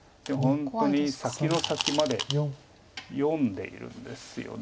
本当に先の先まで読んでいるんですよね。